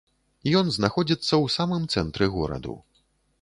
Ён знаходзіцца ў самым цэнтры гораду.